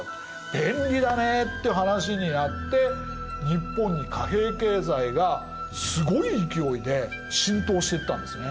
便利だね」って話になって日本に貨幣経済がすごい勢いで浸透していったんですね。